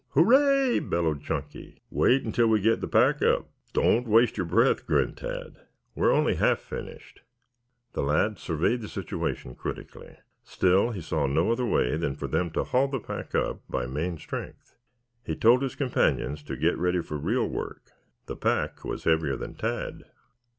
"Hooray!" bellowed Chunky. "Wait until we get the pack up. Don't waste your breath," grinned Tad. "We are only half finished." The lad surveyed the situation critically. Still he saw no other way than for them to haul the pack up by main strength. He told his companions to get ready for real work. The pack was heavier than Tad.